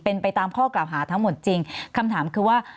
เป็นไปตามข้อกล่าวหาทั้งหมดจริงคำถามคือว่า